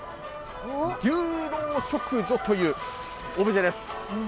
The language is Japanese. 牛郎織女というオブジェです。